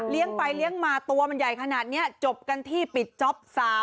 เลี้ยงไปเลี้ยงมาตัวมันใหญ่ขนาดนี้จบกันที่ปิดจ๊อป๓๕๐๐๐๐๐บาท